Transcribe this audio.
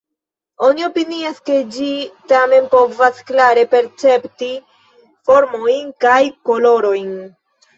Oni opinias, ke ĝi tamen povas klare percepti formojn kaj kolorojn.